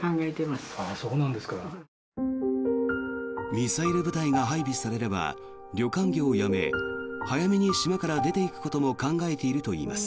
ミサイル部隊が配備されれば旅館業をやめ早めに島から出ていくことも考えているといいます。